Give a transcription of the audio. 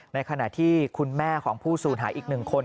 ในขณะที่คุณแม่ของผู้สูญหายอีก๑คน